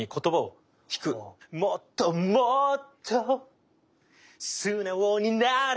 もっともっとすなおになれ